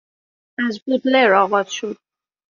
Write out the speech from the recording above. از بودلر آغاز شد